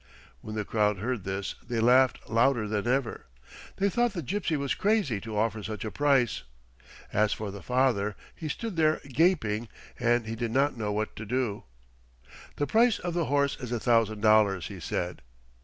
When the crowd heard this they laughed louder than ever. They thought the gypsy was crazy to offer such a price. As for the father he stood there gaping and he did not know what to do. "The price of the horse is a thousand dollars," he said.